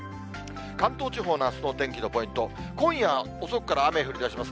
関東地方のあすの天気のポイント、今夜遅くから雨降りだします。